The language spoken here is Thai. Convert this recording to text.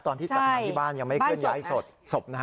ตอนที่จัดงานที่บ้านยังไม่เคลื่อนย้ายศพนะฮะ